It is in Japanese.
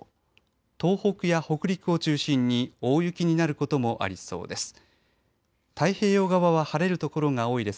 東北や北陸を中心に大雪になることもありそうです。